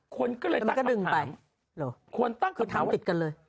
ควรก็เลยตั้งตัดผันควรตั้งกระเป๋าวันเดียวกันเลยคือทำติดกันเลย